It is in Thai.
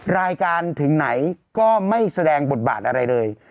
รายการถึงไหนก็ไม่แสดงบทบาทอะไรเลย